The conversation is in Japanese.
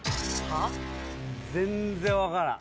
全然分からん